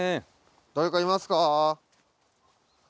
誰かいますか？